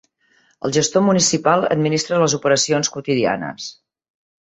El gestor municipal administra les operacions quotidianes.